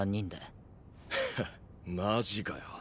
ハッマジかよ。